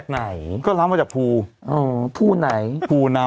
สวัสดีครับคุณผู้ชม